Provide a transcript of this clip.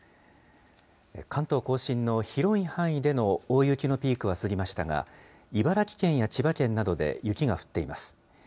関東甲信の広い範囲での大雪のピークは過ぎましたが、茨城県や千葉県などで雪が降っています。